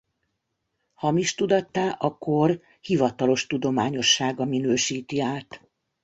Hamis tudattá a kor hivatalos tudományossága minősíti át.